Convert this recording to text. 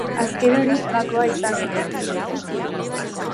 Azken hori gakoa izan da.